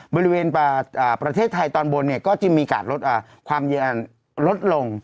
บริเวณประเทศไทยตอนบนก็จะมีการลดความเย็นลดลง